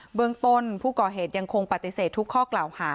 แต่ว่าเบื้องต้นผู้ก่อเหตุยังคงแปลติเสธทุกข้อกล่าวหา